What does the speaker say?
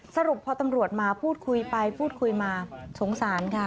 สรุปพอตำรวจมาพูดคุยไปพูดคุยมาสงสารค่ะ